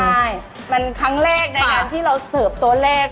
ใช่มันครั้งแรกในการที่เราเสิร์ฟตัวเลข